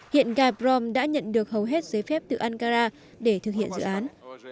hiện gaprom đã nhận được hầu hết giới phép từ ankara để thực hiện dự án